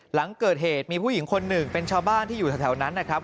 หลังเกิดเหตุมีผู้หญิงคนหนึ่งเป็นชาวบ้านที่อยู่แถวนั้นนะครับ